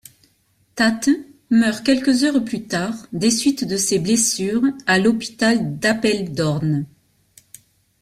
Tates meurt quelques heures plus tard des suites de ses blessures à l'hôpital d'Apeldoorn.